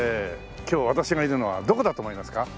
今日私がいるのはどこだと思いますか？